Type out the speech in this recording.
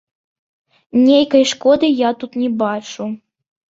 Нейкай шкоды я тут не бачу.